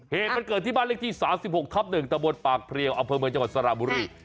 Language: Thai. เหตุมันเกิดที่บ้านเลขที่๓๖ทับ๑ตะบนปากเพลียวอำเภอเมืองจังหวัดสระบุรี